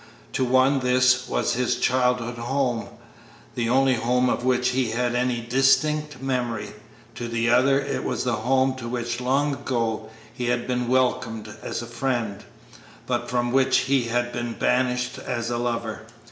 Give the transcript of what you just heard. To one this was his childhood's home, the only home of which he had any distinct memory; to the other it was the home to which long ago he had been welcomed as a friend, but from which he had been banished as a lover.